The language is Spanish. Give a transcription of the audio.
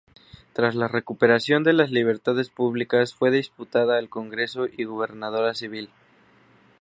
Tras la recuperación de las libertades públicas, fue diputada al Congreso y gobernadora civil.